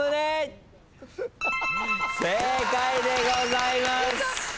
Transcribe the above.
正解でございます！